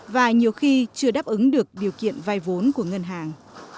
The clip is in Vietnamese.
và nhiều khi chưa đáp ứng được điều kiện vai vốn của ngân hàng